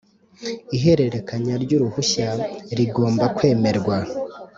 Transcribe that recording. Ihererekanya ry uruhushya rigomba kwemerwa